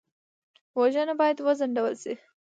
وژنه باید وځنډول شي